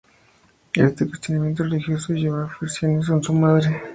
Este cuestionamiento religioso llevó a fricciones con su madre.